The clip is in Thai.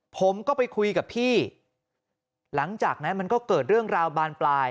ผมก็ไปคุยกับพี่หลังจากนั้นมันก็เกิดเรื่องราวบานปลาย